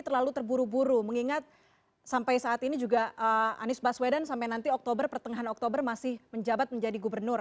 terlalu terburu buru mengingat sampai saat ini juga anies baswedan sampai nanti oktober pertengahan oktober masih menjabat menjadi gubernur